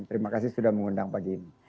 terima kasih sudah mengundang pagi ini